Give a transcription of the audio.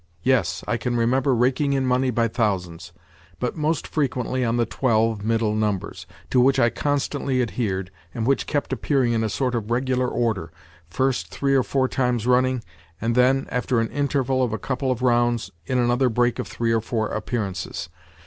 Yes, I can remember raking in money by thousands—but most frequently on the twelve, middle numbers, to which I constantly adhered, and which kept appearing in a sort of regular order—first, three or four times running, and then, after an interval of a couple of rounds, in another break of three or four appearances.